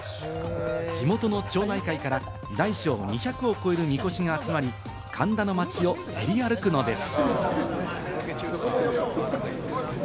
地元の町内会から大小２００を超える、みこしが集まり、神田の街を練り歩くのです。